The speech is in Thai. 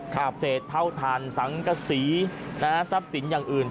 กับเศษเท่าทันสังกษีณทรัพย์สินอย่างอื่น